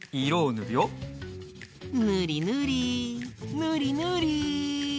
ぬりぬりぬりぬり！